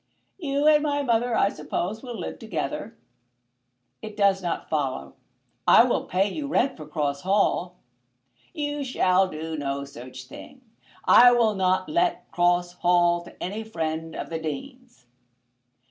"You and my mother, I suppose, will live together?" "It does not follow. I will pay you rent for Cross Hall." "You shall do no such thing. I will not let Cross Hall to any friend of the Dean's."